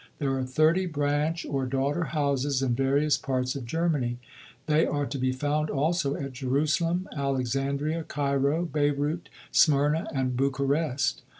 There are thirty branch or daughter houses in various parts of Germany. They are to be found also at Jerusalem, Alexandria, Cairo, Beirut, Smyrna, and Bucharest.